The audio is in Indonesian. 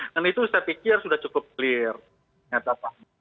dan itu saya pikir sudah cukup jelas